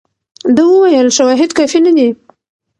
ده وویل شواهد کافي نه دي.